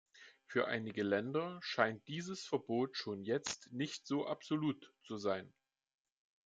Für einige Länder scheint dieses Verbot schon jetzt nicht so absolut zu sein.